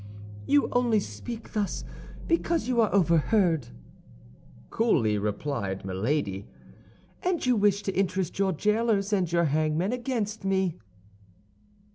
"You only speak thus because you are overheard," coolly replied Milady; "and you wish to interest your jailers and your hangmen against me."